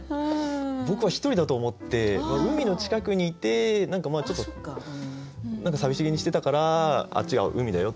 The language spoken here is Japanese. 僕は１人だと思って海の近くにいて何かちょっと何か寂しげにしてたから「あっちが海だよ」っていう。